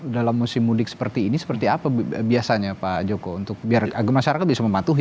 dalam musim mudik seperti ini seperti apa biasanya pak joko untuk biar masyarakat bisa mematuhi